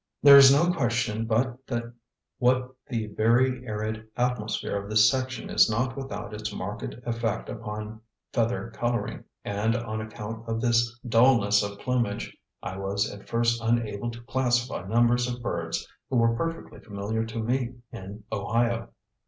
There is no question but what the very arid atmosphere of this section is not without its marked effect upon feather coloring, and on account of this dullness of plumage, I was at first unable to classify numbers of birds who were perfectly familiar to me in Ohio.